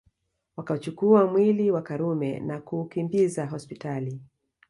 Wakauchukua mwili wa Karume na kuukimbiza hospitali